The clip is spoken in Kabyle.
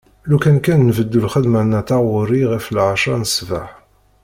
Lukan kan nbeddu lxedma neɣ taɣuri ɣef lɛecra n sbeḥ.